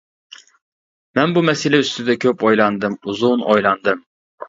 مەن بۇ مەسىلە ئۈستىدە كۆپ ئويلاندىم، ئۇزۇن ئويلاندىم.